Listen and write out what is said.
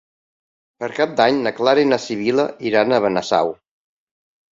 Per Cap d'Any na Clara i na Sibil·la iran a Benasau.